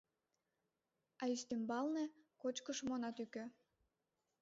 А ӱстембалне кочкышым она тӱкӧ.